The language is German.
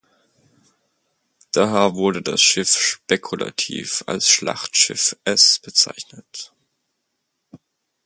Daher wurde das Schiff spekulativ als "Schlachtschiff S" bezeichnet.